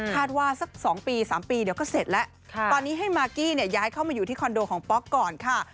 คาดว่าสักสองปีสามปีเดี๋ยวก็เสร็จและตอนนี้ให้มากกี้นี้ย้ายเข้ามาอยู่ที่คอนโดของป๊อกก่อนค่ะ